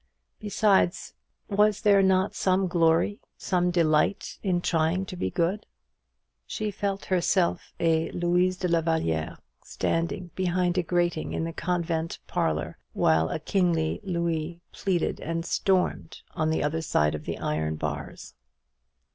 Besides, was there not some glory, some delight, in trying to be good? She felt herself a Louise de la Vallière standing behind a grating in the convent parlour, while a kingly Louis pleaded and stormed on the other side of the iron bars.